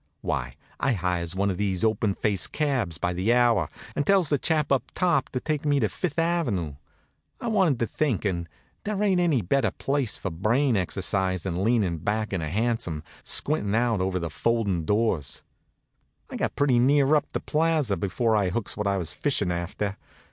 Why, I hires one of these open faced cabs by the hour, and tells the chap up top to take me up Fifth ave. I wanted to think, and there ain't any better place for brain exercise than leanin' back in a hansom, squintin' out over the foldin' doors. I'd got pretty near up to the Plaza before I hooks what I was fishin' after.